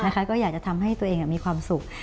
ก็อยากจะทำให้ตัวเองมีความสุข